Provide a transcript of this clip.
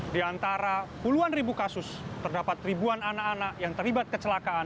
di antara puluhan ribu kasus terdapat ribuan anak anak yang terlibat kecelakaan